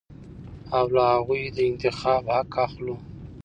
او له هغوى د انتخاب حق اخلو.